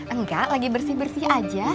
enggak lagi bersih bersih aja